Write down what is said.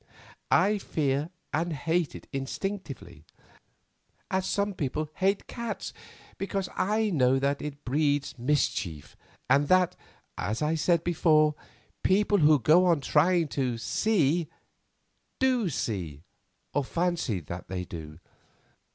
I fear and hate it instinctively, as some people hate cats, because I know that it breeds mischief, and that, as I said before, people who go on trying to see, do see, or fancy that they do.